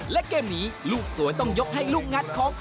และเกมนี้ลูกสวยต้องยกให้ลูกงัดของ